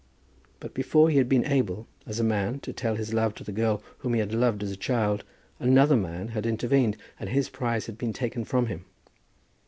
But before he had been able, as a man, to tell his love to the girl whom he had loved as a child, another man had intervened, and his prize had been taken from him.